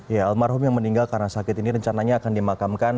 ya almarhum yang meninggal karena sakit ini rencananya akan dimakamkan